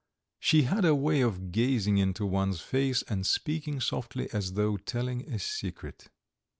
She had a way of gazing into one's face, and speaking softly as though telling a secret.